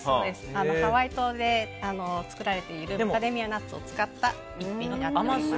ハワイ島で作られているマカデミアナッツを使った一品になっています。